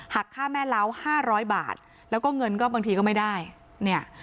ค่าแม่เล้าห้าร้อยบาทแล้วก็เงินก็บางทีก็ไม่ได้เนี่ย